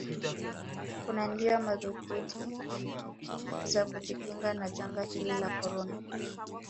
kunanjia madhubuti za kujikinga na janga hili la korona